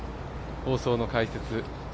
放送の解説